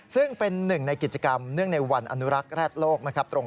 ซึ่งเป็นหนึ่งในกิจกรรมเนื่องในวันอนุรักษ์แร็ดโลกนะครับ